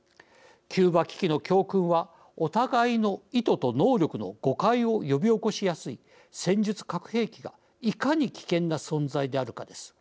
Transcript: キューバ危機の教訓はお互いの意図と能力の誤解を呼び起こしやすい戦術核兵器がいかに危険な存在であるかです。